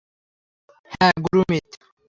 হ্যাঁ, গুরুমিত।